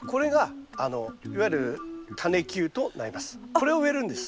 これを植えるんです。